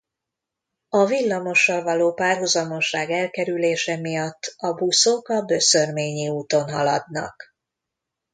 A villamossal való párhuzamosság elkerülése miatt a buszok a Böszörményi úton haladnak.